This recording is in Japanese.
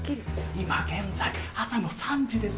今現在朝の３時です。